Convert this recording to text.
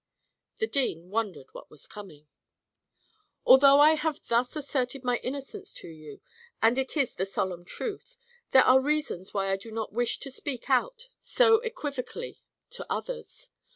The dean wondered what was coming. "Although I have thus asserted my innocence to you; and it is the solemn truth; there are reasons why I do not wish to speak out so unequivocally to others.